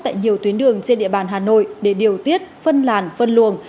tại nhiều tuyến đường trên địa bàn hà nội để điều tiết phân làn phân luồng